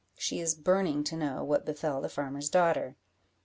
She is burning to know what befel the farmer's daughter!